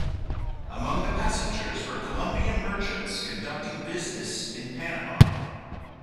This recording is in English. Among the passengers were Colombian merchants conducting business in Panama.